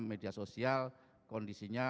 media sosial kondisinya